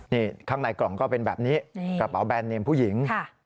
นี่ข้างในกล่องก็เป็นแบบนี้กระเป๋าแบรนเนมผู้หญิง